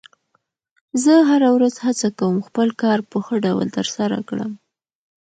زه هره ورځ هڅه کوم خپل کار په ښه ډول ترسره کړم